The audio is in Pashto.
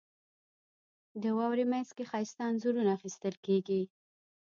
• د واورې مینځ کې ښایسته انځورونه اخیستل کېږي.